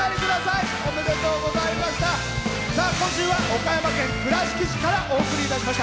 今週は岡山県倉敷市からお送りいたしました。